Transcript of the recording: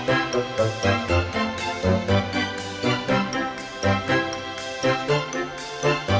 เมื่อเมื่อเมื่อเมื่อ